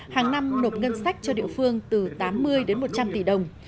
hàng năm nộp ngân sách cho địa phương từ tám mươi đến một trăm linh tỷ đồng